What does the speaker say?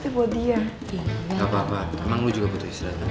gak apa apa emang lo juga butuh istirahat